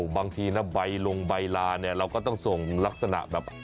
บางทีใบลงใบลาเราก็ต้องส่งลักษณะ